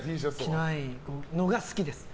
着ないのが好きです。